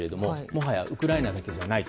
もはやウクライナだけじゃない。